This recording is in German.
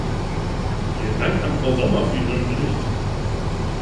Vielen Dank an Frau Sommer für ihren Bericht.